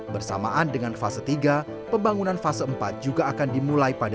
bersamaan dengan fase tiga pembangunan fase empat juga akan dimulai pada dua ribu dua puluh